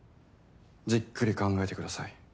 じっくり考えてください。